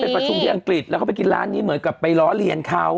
ประชุมที่อังกฤษแล้วเขาไปกินร้านนี้เหมือนกับไปล้อเลียนเขา